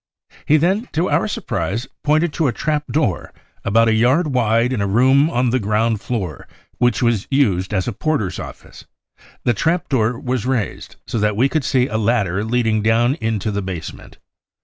He then to our surprise pointed to a trap door about a yard wide in a room on the ground floor which was used as a porter's office ; the trap door was raised, so that we could see a ladder leading down into the basement.